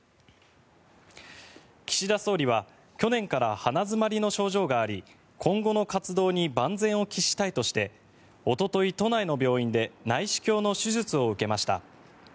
岸田総理は去年から鼻詰まりの症状があり今後の活動に万全を期したいとしておととい、都内の病院で内視鏡の手術を受けました。